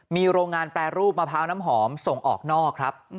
มีโรงงานแปรรูปมะพร้าวน้ำหอมส่งออกนอกครับ